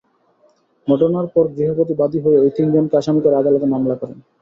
ঘটনার পর গৃহবধূ বাদী হয়ে ওই তিনজনকে আসামি করে আদালতে মামলা করেন।